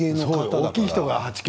大きい人が８ｋｇ